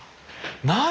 何？